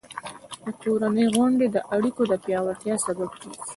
د کورنۍ غونډې د اړیکو د پیاوړتیا سبب کېږي.